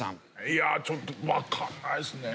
いやちょっとわかんないですね。